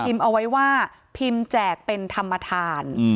พิมพ์เอาไว้ว่าพิมพ์แจกเป็นธรรมฐานอืม